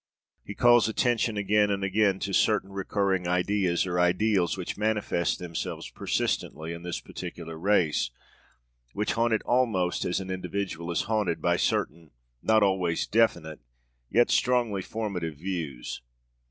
He calls attention again and again to certain recurring ideas or ideals which manifest themselves persistently in this particular race, which haunt it almost as an individual is haunted by certain not always definite, yet strongly formative influences.